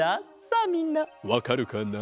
さあみんなわかるかな？